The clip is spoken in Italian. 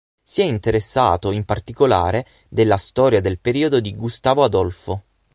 Si è interessato in particolare della storia del periodo di Gustavo Adolfo.